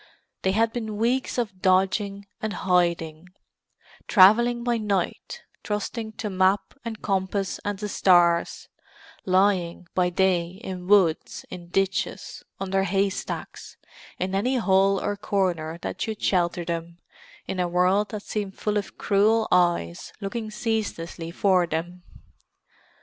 They had been weeks of dodging and hiding; travelling by night, trusting to map and compass and the stars; lying by day in woods, in ditches, under haystacks—in any hole or corner that should shelter them in a world that seemed full of cruel eyes looking ceaselessly for them.